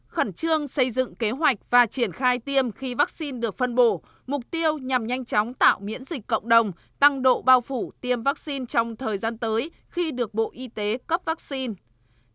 khẩn trương xây dựng kế hoạch và triển khai tiêm khi vaccine được phân bổ mục tiêu nhằm nhanh chóng tạo miễn dịch cộng đồng tăng độ bao phủ tiêm vaccine trong thời gian tới khi được bộ y tế cấp vaccine